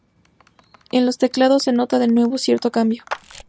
En los teclados se nota de nuevo cierto cambio.